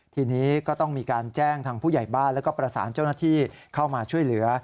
ทีนี้ก็ต้องมีการแจ้งทางผู้ใหญ่บ้านแล้วก็ประสานเจ้าหน้าที่เข้ามาช่วยเหลือ